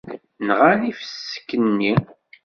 Nɣan ifisek-nni.